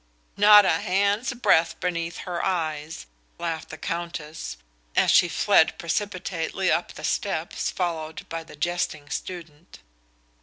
"Not a hand's breadth beneath her eyes," laughed the Countess, as she fled precipitately up the steps, followed by the jesting student.